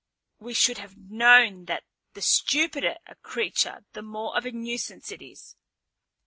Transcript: We should have known that the stupider a creature, the more of a nuisance it is."